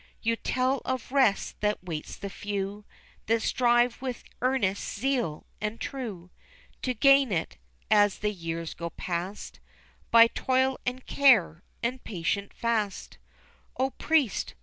You tell of rest that waits the few, That strive with earnest zeal and true To gain it, as the years go past, By toil, and care, and patient fast, O Priest!